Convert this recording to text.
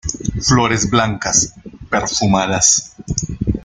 Flores blancas, perfumadas.